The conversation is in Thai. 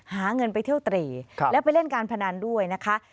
หาเงินไปเที่ยวตรีแล้วไปเล่นการพนันด้วยนะคะ